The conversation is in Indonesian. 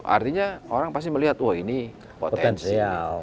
artinya orang pasti melihat wah ini potensial